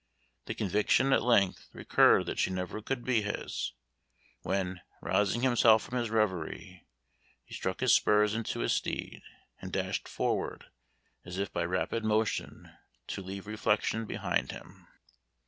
The conviction at length recurred that she never could be his, when, rousing himself from his reverie, he struck his spurs into his steed and dashed forward, as if by rapid motion to leave reflection behind him.